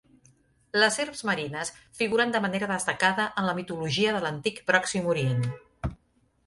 Les serps marines figuren de manera destacada en la mitologia de l'Antic Pròxim Orient.